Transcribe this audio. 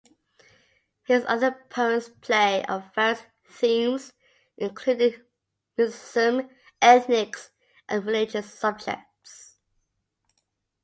His other poems play on various themes including mysticism, ethnics and religious subjects.